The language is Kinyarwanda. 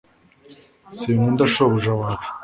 sinkunda shobuja wawe